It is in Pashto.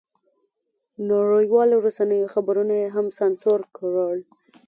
نړیوالو رسنیو خبرونه یې هم سانسور کړل.